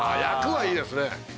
「焼く」はいいですね。